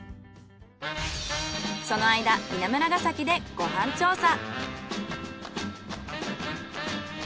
その間稲村ガ崎でご飯調査。